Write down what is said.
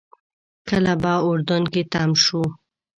کله به اردن کې تم شو.